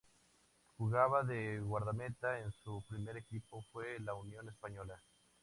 Jugaba de guardameta y su primer equipo fue la Unión Española.